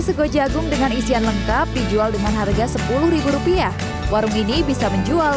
sego jagung dengan isian lengkap dijual dengan harga sepuluh rupiah warung ini bisa menjual